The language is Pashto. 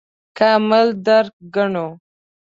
کامل درک ګڼو.